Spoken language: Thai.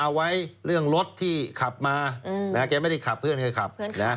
ไว้เรื่องรถที่ขับมาแกไม่ได้ขับเพื่อนแกขับนะ